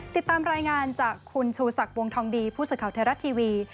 ติดตามรายงานจากคุณชูสักวงทองดีผู้ศึกเขาเทราทีวี